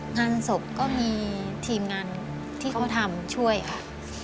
งานศพก็มีทีมงานที่เขามาทำช่วยค่ะ